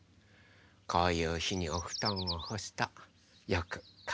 こういうひにおふとんをほすとよくかわくんですよね。